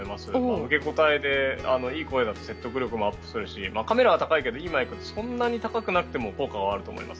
受け答えでいい声だと説得力もアップするしカメラは高いけど、いいマイクはそんなに高くなくても効果があると思います。